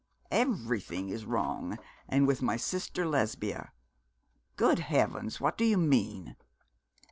'Everything is wrong, and with my sister Lesbia.' 'Good heavens! what do you mean?'